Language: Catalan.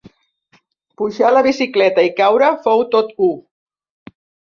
Pujar a la bicicleta i caure fou tot u.